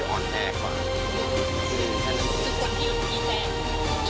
มันก็ยังอยากถามว่าทำไมต้องเป็นลูกของด้วย